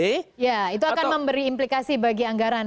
ya itu akan memberi implikasi bagi anggaran